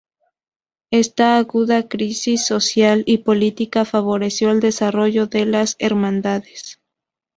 Esta aguda crisis social y política favoreció el desarrollo de las "Hermandades.